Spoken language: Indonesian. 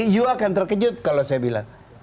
you akan terkejut kalau saya bilang